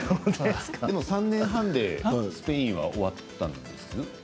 ３年半でスペインは終わったんですか？